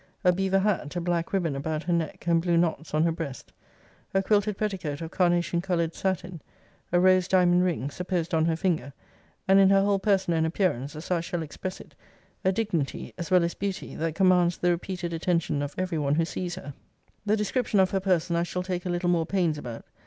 A beaver hat, a black ribbon about her neck, and blue knots on her breast. A quilted petticoat of carnation coloured satin; a rose diamond ring, supposed on her finger; and in her whole person and appearance, as I shall express it, a dignity, as well as beauty, that commands the repeated attention of every one who sees her.' The description of her person I shall take a little more pains about.